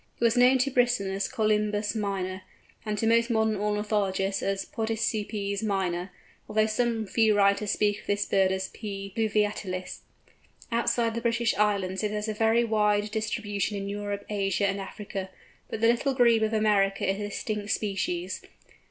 It was known to Brisson as Colymbus minor, and to most modern ornithologists as Podicipes minor, although some few writers speak of this bird as P. fluviatilis. Outside the British Islands it has a very wide distribution in Europe, Asia, and Africa, but the Little Grebe of America is a distinct species.